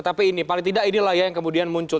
tapi ini paling tidak ini lah yang kemudian muncul